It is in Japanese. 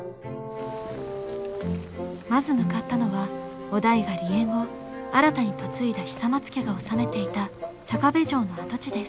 まず向かったのは於大が離縁後新たに嫁いだ久松家が治めていた坂部城の跡地です。